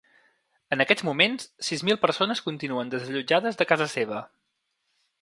En aquests moments, sis mil persones continuen desallotjades de casa seva.